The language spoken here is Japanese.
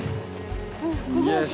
よし！